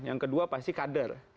yang kedua pasti kader